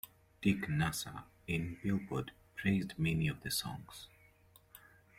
Dick Nusser in "Billboard" praised many of the songs.